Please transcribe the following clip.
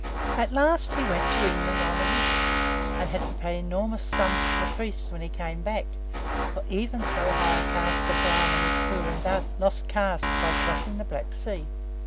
At last he went to England on a visit, and had to pay enormous sums to the priests when he came back; for even so high caste a Brahmin as Purun Dass lost caste by crossing the black sea.